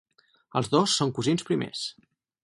Els dos són cosins primers.